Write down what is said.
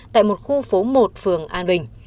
tại một khu phố một phường an bình